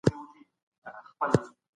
بايد د جبري شرايطو مخه ونيول سي.